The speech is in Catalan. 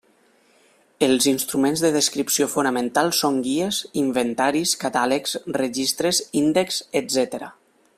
Els instruments de descripció fonamentals són guies, inventaris, catàlegs, registres, índexs, etcètera.